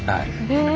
へえ。